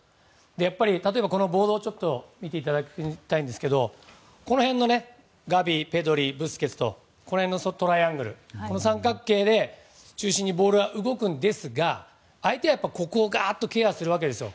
やっぱりこのボードを見ていただきたいんですけどガビ、ペドリ、ブスケツとこの辺のトライアングル、三角形で三角形で中心にボールが動くんですが相手はここをがーっとケアするわけですよ。